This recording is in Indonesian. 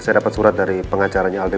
saya dapat surat dari pengacaranya aldi